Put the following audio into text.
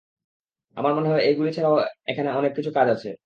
আমার মনে হয় এইগুলি ছাড়াও এখানে অনেক কিছু কাজ আছে।